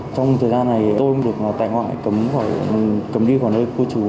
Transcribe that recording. trong thời gian này tôi cũng được tại ngoại cấm đi khỏi nơi